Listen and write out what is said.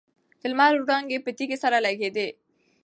د لمر وړانګې په تېزۍ سره لګېدې.